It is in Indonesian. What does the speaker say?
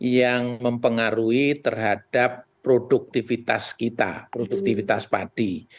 yang mempengaruhi terhadap produktivitas kita produktivitas padi